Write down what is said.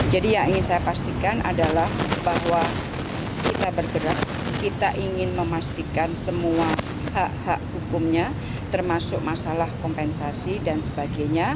jadi yang ingin saya pastikan adalah bahwa kita bergerak kita ingin memastikan semua hak hak hukumnya termasuk masalah kompensasi